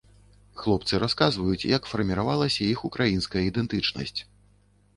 Хлопцы расказваюць, як фарміравалася іх украінская ідэнтычнасць.